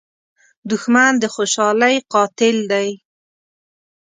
دښمن د خوشحالۍ قاتل دی